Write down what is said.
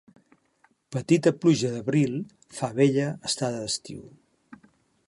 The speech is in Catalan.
Petita pluja d'abril fa bella estada d'estiu.